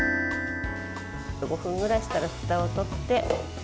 ５分ぐらいしたら、ふたをとって。